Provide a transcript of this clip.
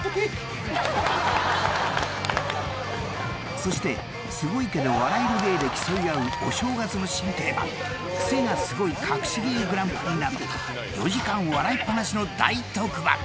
［そしてすごいけど笑える芸で競い合うお正月の新定番クセがスゴいかくし芸ＧＰなど４時間笑いっ放しの大特番］